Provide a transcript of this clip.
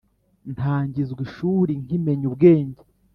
ntangizwa ishuri nkimenya ubwenge